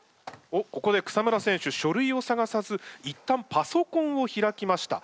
おっここで草村選手書類を探さずいったんパソコンを開きました。